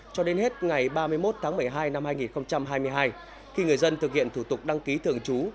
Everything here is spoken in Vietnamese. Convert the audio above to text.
cho đến hết ngày ba mươi một tháng một mươi hai năm hai nghìn hai mươi hai khi người dân thực hiện thủ tục đăng ký thường trú